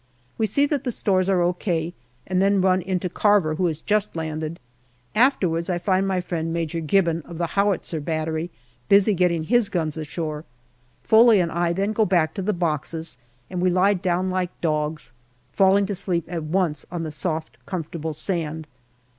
We see that the stores are O.K., and then run into Carver, who has just landed. Afterwards I find my friend Major Gibbon, of the howitzer battery, busy getting his guns ashore. Foley and I then go back to the boxes, and we He down like dogs, falling to sleep at once on the soft, comfortable sand.